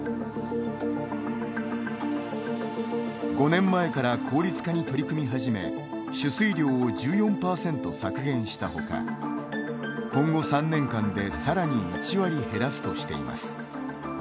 ５年前から効率化に取り組み始め取水量を１４％削減したほか今後３年間でさらに１割減らすとしています。